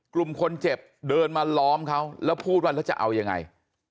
กลุ่มคนเจ็บเดินมาล้อมเขาแล้วพูดว่าแล้วจะเอายังไง